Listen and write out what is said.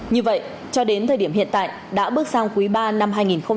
như vậy cho đến thời điểm hiện tại đã bước sang quý ba năm hai nghìn một mươi chín